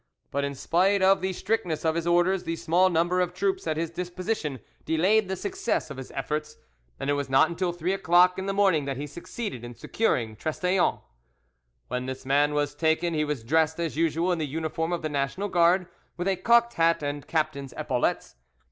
But in spite of the strictness of his orders the small number of troops at his disposition delayed the success of his efforts, and it was not until three o'clock in the morning that he succeeded in securing Trestaillons. When this man was taken he was dressed as usual in the uniform of the National Guard, with a cocked hat and captain's epaulets.